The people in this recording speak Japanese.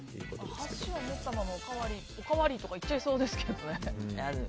箸を持ったままおかわりとか言っちゃいそうですけどね。